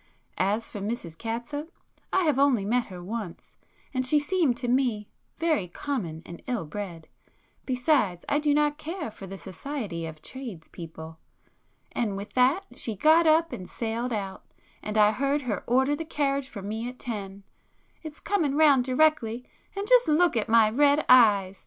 As for Mrs Catsup, I have only met her once, and she seemed to me very common and ill bred. Besides I do not care for the society of tradespeople.' And with that she got up and sailed out,—and I heard her order the carriage for me at ten. It's coming round directly, and just look at my red eyes!